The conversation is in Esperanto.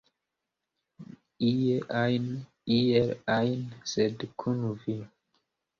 Ie ajn, iel ajn, sed kun vi!